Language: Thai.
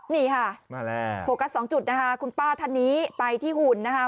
นี่ค่ะโฟกัส๒จุดนะฮะคุณป้าทันนี้ไปที่หุ่นนะฮะ